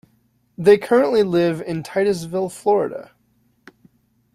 They currently live in Titusville, Florida.